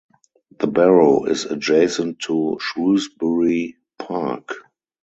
The barrow is adjacent to Shrewsbury Park.